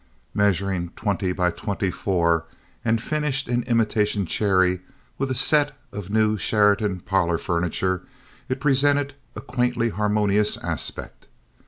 Measuring twenty by twenty four and finished in imitation cherry, with a set of new Sheraton parlor furniture it presented a quaintly harmonious aspect.